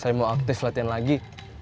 saya mau aktif latihan lagi